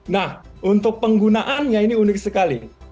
nah untuk penggunaannya ini unik sekali